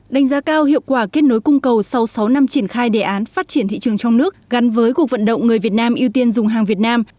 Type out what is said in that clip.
đánh giá cao hiệu quả kết nối cung cầu sau sáu năm triển khai đề án phát triển thị trường trong nước gắn với cuộc vận động người việt nam ưu tiên dùng hàng việt nam